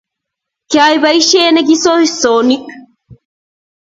kiaib boiseie ne kisoisonik.